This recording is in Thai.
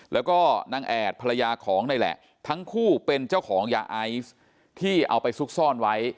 แล้วก็นางแอดภรรยาของนี่แหละทั้งคู่เป็นเจ้าของยาไอซ์ที่เอาไปซุกซ่อนไว้